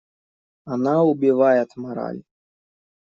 Она убивает мораль.